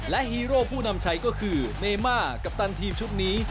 และฮีโร่ผู้นำชัยก็คือเนม่ากัปตันทีมชุดนี้